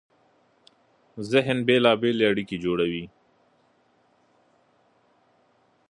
ذهن بېلابېلې اړیکې جوړوي.